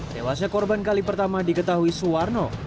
tewasnya korban kali pertama diketahui suwarno